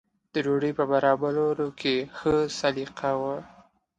د ډوډۍ په برابرولو کې ښه سلیقه وه.